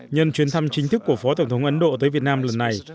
nhân chuyến thăm chính thức của phó tổng thống ấn độ tới việt nam lần này